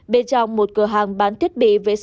bên trong một cửa hàng bán thiết bị vệ sinh